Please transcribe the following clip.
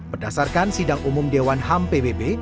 berdasarkan sidang umum dewan ham pbb